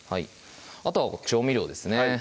あとは調味料ですね